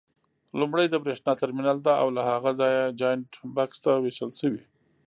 لومړی د برېښنا ترمینل ته او له هغه ځایه جاینټ بکس ته وېشل شوي.